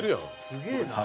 すげえな。